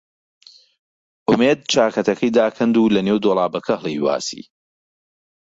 ئومێد چاکەتەکەی داکەند و لەنێو دۆڵابەکە هەڵی واسی.